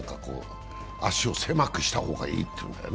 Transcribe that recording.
足を狭くした方がいいというんだよね。